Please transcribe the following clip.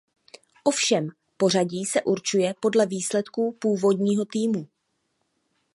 Ovšem pořadí se určuje podle výsledků původního týmu.